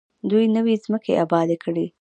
دوی نوې ځمکې ابادې کړې.